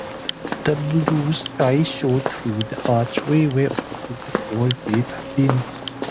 The blue sky showed through the archway where the tall gates had been.